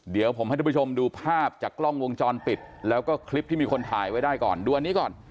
เดี๋ยวผมให้ทุกผู้ชมดูภาพจากกล้องวงจรปิดแล้วก็คลิปที่มีคนถ่ายไว้ได้ก่อนดูอันนี้ก่อน